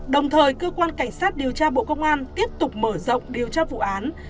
đồng thời cơ quan cảnh sát điều tra bộ công an tiếp tục mở rộng điều tra vụ án